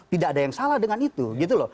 tidak ada yang salah dengan itu